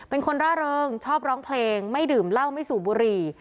เป็นคนร่าเริงชอบร้องเพลงไม่ดื่มเหล้าไม่สูบบุหรี่